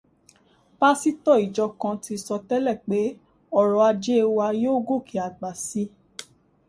Pásítọ̀ ìjọ kan ti sọ tẹ́lẹ̀ pé ọrọ̀ ajé wa yóò gòkè àgbà síi